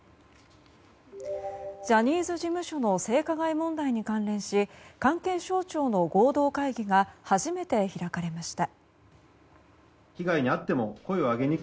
ジャニーズ事務所の性加害問題に関連し関係省庁の合同会議が初めて開かれました。